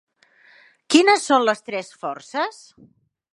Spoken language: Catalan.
Quines són les tres forces?